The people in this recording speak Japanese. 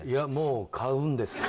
買うんですね？